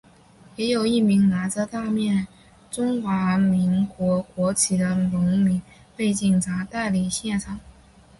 也有一名拿着大面中华民国国旗的荣民被警察带离现场。